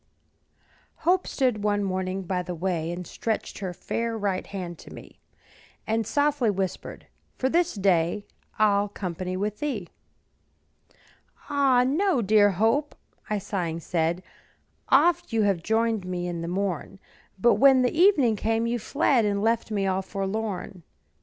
Hope stood one morning by the way, And stretched her fair right hand to me, And softly whispered, "For this day I'll company with thee." "Ah, no, dear Hope," I sighing said; "Oft have you joined me in the morn, But when the evening came, you fled And left me all forlorn.